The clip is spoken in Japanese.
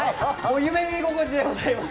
夢見心地でございます。